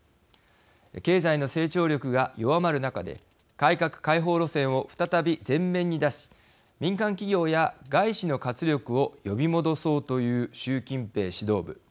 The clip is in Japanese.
経済の成長力が弱まる中で改革開放路線を再び前面に出し民間企業や外資の活力を呼び戻そうという習近平指導部。